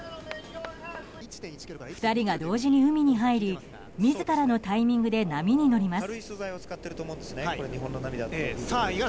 ２人が同時に海に入り自らのタイミングで波に乗ります。